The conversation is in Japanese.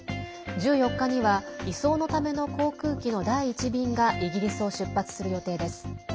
１４日には移送のための航空機の第１便がイギリスを出発する予定です。